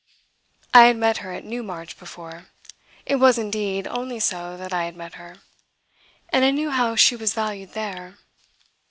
I had met her at Newmarch before it was indeed only so that I had met her and I knew how she was valued there.